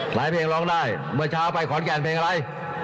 เพลงร้องได้เมื่อเช้าไปขอนแก่นเพลงอะไร